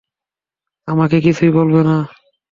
আমাকে কিছুই বললে না?